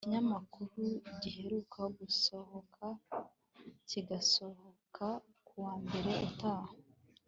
ikinyamakuru giheruka gusohoka kizasohoka kuwa mbere utaha